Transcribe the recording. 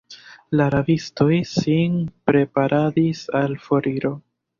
La rabistoj sin preparadis al foriro.